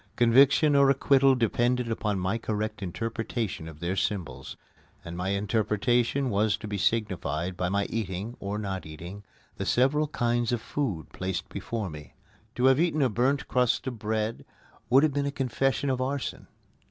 Conviction or acquittal depended upon my correct interpretation of their symbols, and my interpretation was to be signified by my eating, or not eating, the several kinds of food placed before me. To have eaten a burnt crust of bread would have been a confession of arson.